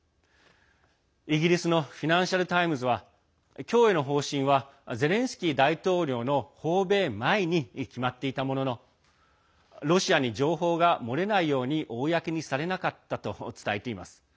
イギリスのフィナンシャル・タイムズは供与の方針はゼレンスキー大統領の訪米前に決まっていたもののロシアに情報が漏れないように公にされなかったと伝えています。